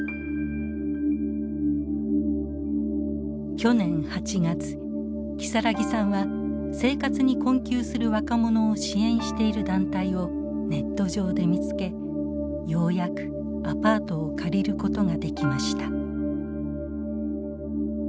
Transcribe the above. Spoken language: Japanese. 去年８月希咲さんは生活に困窮する若者を支援している団体をネット上で見つけようやくアパートを借りることができました。